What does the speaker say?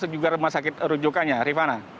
juga rumah sakit rujukannya rifana